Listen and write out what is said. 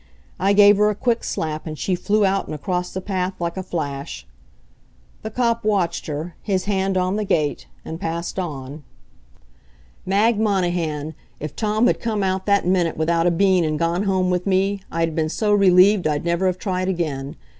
I gave her a quick slap, and she flew out and across the path like a flash. The cop watched her, his hand on the gate, and passed on. Mag Monahan, if Tom had come out that minute without a bean and gone home with me, I'd been so relieved I'd never have tried again.